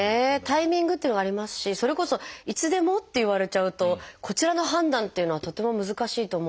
タイミングっていうのがありますしそれこそいつでもって言われちゃうとこちらの判断っていうのはとっても難しいと思うんですけれども。